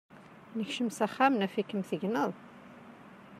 Nekcem s axxam, naf-ikem tegneḍ.